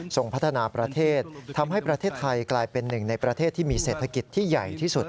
พัฒนาประเทศทำให้ประเทศไทยกลายเป็นหนึ่งในประเทศที่มีเศรษฐกิจที่ใหญ่ที่สุด